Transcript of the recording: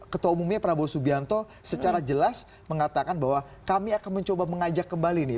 ketua umumnya prabowo subianto secara jelas mengatakan bahwa kami akan mencoba mengajak kembali nih